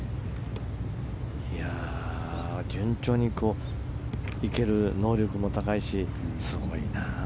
順調にいける能力も高いしすごいな。